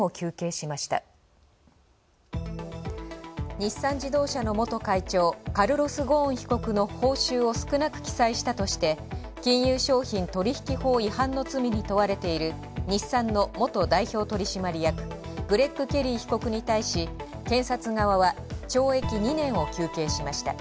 日産自動車の元会長カルロス・ゴーン被告の報酬を少なく記載したとして金融商品取引法違反の罪に問われている日産の元代表取締役グレッグ・ケリー被告に対し、検察側は懲役２年を求刑しました。